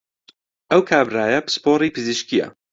ئەو کابرایە پسپۆڕی پزیشکییە